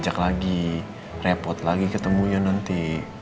kejak lagi repot lagi ketemunya nanti